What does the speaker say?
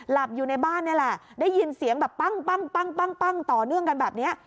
หลับอยู่ในบ้านนี่แหละได้ยินเสียงแบบปั้งต่อเนื่องกันแบบนี้